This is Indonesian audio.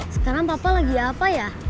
sekarang papa lagi apa ya